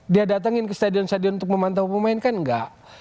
dia datangin ke stadion stadion untuk memantau pemain kan enggak